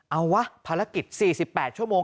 เอาวะภารกิจ๔๘ชั่วโมง